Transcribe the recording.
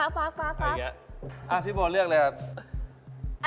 คุณบอลเลือกเลยครับ